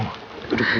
mama duduk dulu